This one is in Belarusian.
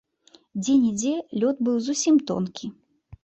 Дзе-нідзе лёд быў зусім тонкі.